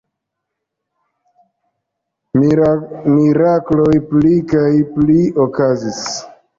Mirakloj pli kaj pli okazis.